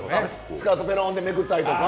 スカートぺろんってめくったりとか？